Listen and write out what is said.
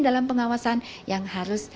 dalam pengawasan yang harus